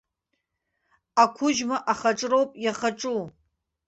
Ақәыџьма ахаҿроуп иахаҿу.